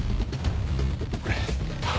これ。